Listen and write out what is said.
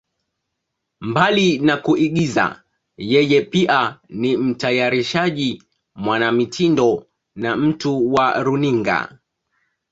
Mbali na kuigiza, yeye pia ni mtayarishaji, mwanamitindo na mtu wa runinga.